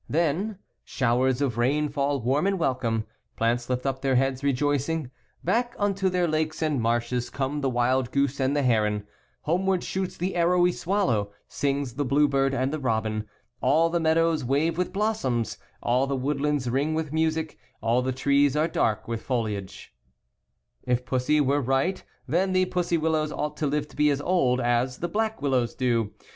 Then, Showers of rain fall warm and welcome, Plants lift up their heads rejoicing, Back unto their lakes and marshes Come the wild goose and the heron, Homeward shoots the arrowy swallow. Sings the bluebird and the robin, 4e 4: 4: 9N 4c >ic All the meadows wave with blossoms. All the woodlands ring with music, All the trees are dark with foliagCc If Pussy were right then the pussy willows ought to live to be old as the black wil lows do.